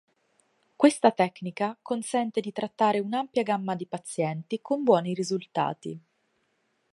Questa tecnica consente di trattare un'ampia gamma di pazienti con buoni risultati.